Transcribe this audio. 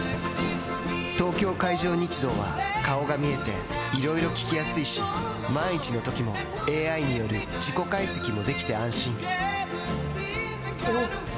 東京海上日動は顔が見えていろいろ聞きやすいし万一のときもＡＩによる事故解析もできて安心おぉ！